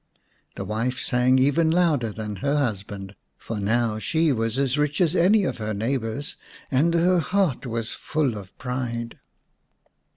The wife sang even louder than her husband, for now she was as rich as any of her neighbours and her heart was full of pride.